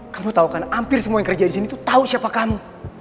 kamu tau kan hampir semua yang kerja disini tau siapa kamu